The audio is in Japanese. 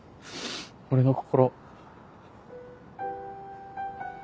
俺の心。